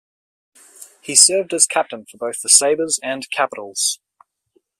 He served as captain for both the Sabres and Capitals.